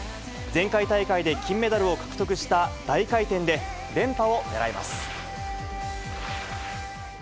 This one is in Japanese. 前回大会で金メダルを獲得した大回転で連覇を狙います。